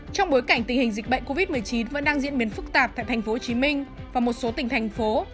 trong bối cảnh tình hình dịch bệnh covid một mươi chín vẫn đang diễn biến phức tạp tại tp hcm và một số tỉnh thành phố